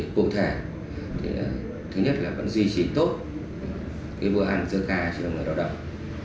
cụ thể thứ nhất là vẫn duy trì tốt vụ hành giữa khai cho người lao động